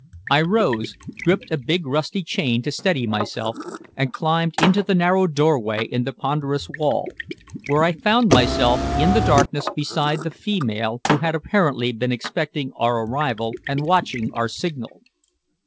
I rose, gripped a big rusty chain to steady myself, and climbed into the narrow doorway in the ponderous wall, where I found myself in the darkness beside the female who had apparently been expecting our arrival and watching our signal.